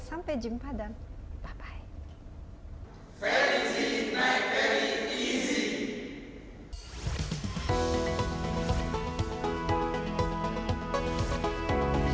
sampai jumpa dan bye bye